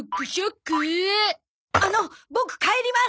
あのボク帰ります！